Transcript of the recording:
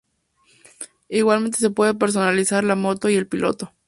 Igualmente se puede personalizar la moto y el piloto.